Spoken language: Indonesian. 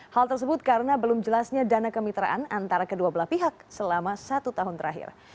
hal tersebut karena belum jelasnya dana kemitraan antara kedua belah pihak selama satu tahun terakhir